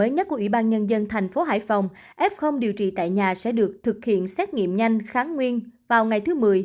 nhân dân thành phố hải phòng f điều trị tại nhà sẽ được thực hiện xét nghiệm nhanh kháng nguyên vào ngày thứ một mươi